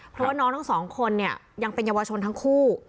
เพราะว่าน้องทั้งสองคนเนี่ยยังเป็นเยาวชนทั้งคู่